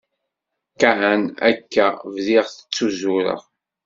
Kan akka, bdiɣ ttuzureɣ.